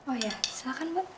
oh iya silahkan mbak